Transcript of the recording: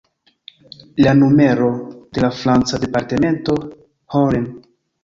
La numero de la franca departemento Haut-Rhin.